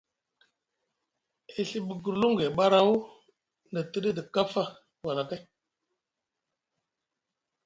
E Ɵibi gurlum gay ɓaraw na tiɗi edi kafa wala kay.